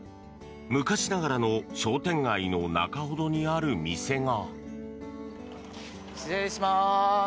昔ながらの商店街の中ほどにある店が。